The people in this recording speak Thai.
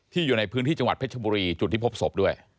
อยู่ในพื้นที่จังหวัดเพชรบุรีจุดที่พบศพด้วย